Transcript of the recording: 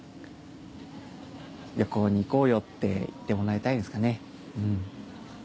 「旅行に行こうよ」って言ってもらいたいですかね。